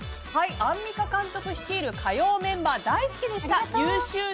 アンミカ監督率いる火曜メンバー大好きでした。